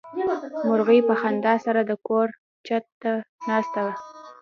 مرغۍ په خندا سره د کور په چت کې ناسته وه.